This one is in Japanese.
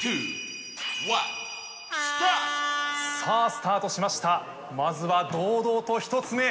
スタートしました、まずは堂々と１つ目。